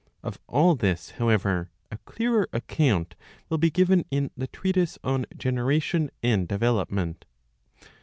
Of all this, however, a clearer account will be given in the treatise on Generation and Development.